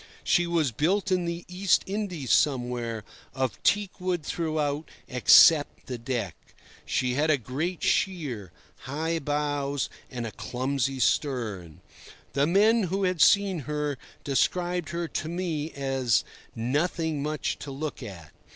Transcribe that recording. She was built in the East Indies somewhere, of teak wood throughout, except the deck. She had a great sheer, high bows, and a clumsy stern. The men who had seen her described her to me as "nothing much to look at."